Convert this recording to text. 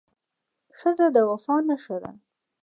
ښځه د وفا نښه ده.